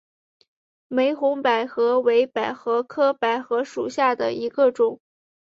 玫红百合为百合科百合属下的一个种。